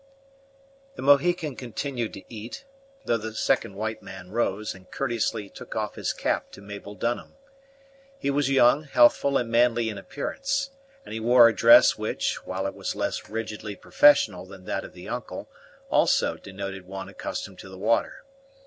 The Mohican continued to eat, though the second white man rose, and courteously took off his cap to Mabel Dunham. He was young, healthful, and manly in appearance; and he wore a dress which, while it was less rigidly professional than that of the uncle, also denoted one accustomed to the water.